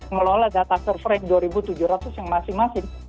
ngelola data server yang dua ribu tujuh ratus yang masing masing